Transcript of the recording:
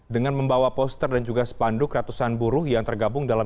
dengan membawa poster dan juga sepanduk ratusan buruh yang tergabung dalam